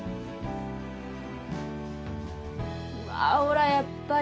うわほらやっぱり。